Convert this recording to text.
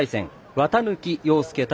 綿貫陽介対